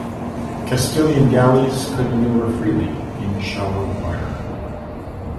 Castilian galleys could maneuver freely in shallow water.